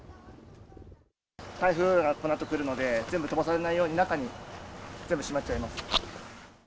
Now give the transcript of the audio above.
台風がこのあと来るので、全部飛ばされないように、中に全部しまっちゃいます。